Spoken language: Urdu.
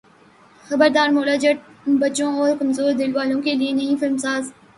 خبردار مولا جٹ بچوں اور کمزور دل والوں کے لیے نہیں فلم ساز